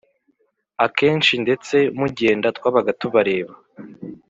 Akenshi ndetse mugenda Twabaga tubareba